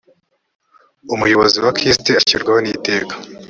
umuyobozi wa kist ashyirwaho n iteka